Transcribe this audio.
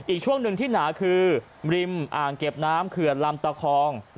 อีกช่วงหนึ่งที่หนาคือริมอ่างเก็บน้ำเขื่อนลำตะคอง